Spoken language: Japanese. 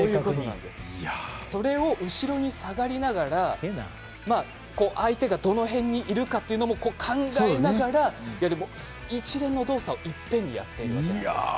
それを後ろに下がりながら相手がどの辺にいるかというのも考えながら、一連の動作をいっぺんにやってるんです。